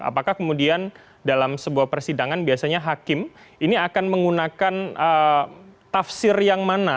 apakah kemudian dalam sebuah persidangan biasanya hakim ini akan menggunakan tafsir yang mana